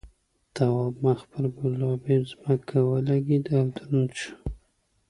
تواب مخ پر گلابي ځمکه ولگېد او دروند شو.